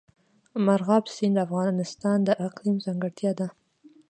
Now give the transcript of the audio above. مورغاب سیند د افغانستان د اقلیم ځانګړتیا ده.